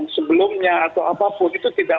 sebelumnya atau apapun itu tidak